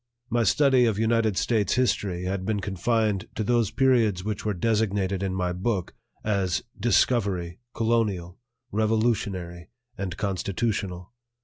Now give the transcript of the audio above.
My study of United States history had been confined to those periods which were designated in my book as "Discovery," "Colonial," "Revolutionary," and "Constitutional."